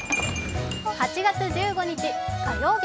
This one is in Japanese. ８月１５日火曜日